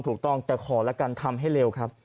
ถูกต้องแต่ขอละกันทำให้เร็วครับ